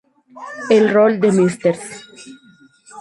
El rol de "Mrs.